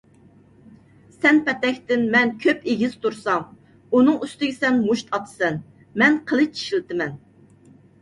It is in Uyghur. سەن پەتەكتىن مەن كۆپ ئېگىز تۇرسام، ئۇنىڭ ئۈستىگە سەن مۇشت ئاتىسەن، مەن قىلىچ ئىشلىتىمەن.